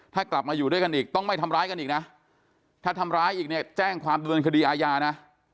ถ้ากลับมาอยู่ด้วยกันอีกต้องไม่ทำร้ายกันอีกนะถ้าทำร้ายอีกเนี่ยแจ้งความดำเนินคดีอาญานะ